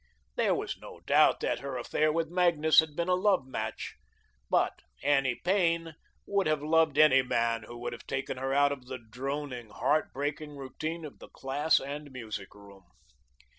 There was no doubt that her affair with Magnus had been a love match, but Annie Payne would have loved any man who would have taken her out of the droning, heart breaking routine of the class and music room.